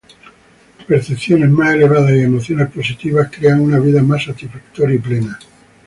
Percepciones más elevadas y emociones positivas crean una vida más satisfactoria y plena.